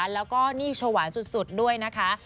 แล้วก็นี่ชหวานสุดด้วยนะคะ